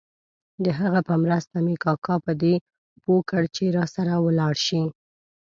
د هغه په مرسته مې کاکا په دې پوه کړ چې راسره ولاړ شي.